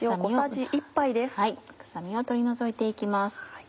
臭みを取り除いて行きます。